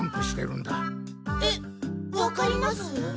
えっわかります？